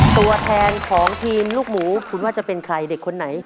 ตัวแทนของทีมลูกหมูคุณว่าจะเป็นใครเด็กคนไหน